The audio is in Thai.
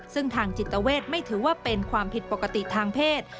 ซึ่งทางจิตเวทไม่ถือว่าเป็นความผิดปกติทางเพศ